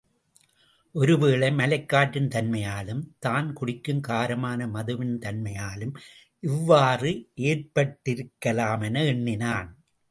ஒருவேளை மலைக்காற்றின் தன்மையாலும், தான் குடிக்கும் காரமான மதுவின் தன்மையாலும் இவ்வாறு ஏற்பட்டிருக்கலாமென எண்ணினான்.